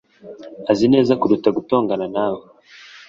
azi neza kuruta gutongana nawe